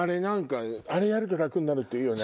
あれやると楽になるっていうよね。